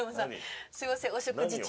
すいませんお食事中。